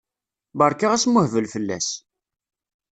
Berka asmuhbel fell-as!